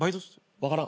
分からん。